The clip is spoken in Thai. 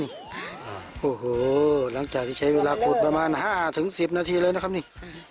โอ้โหหลังจากที่ใช้เวลาขุดประมาณห้าถึงสิบนาทีเลยนะครับนี่